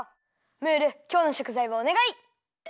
ムールきょうのしょくざいをおねがい！